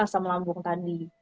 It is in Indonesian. asam lambung tadi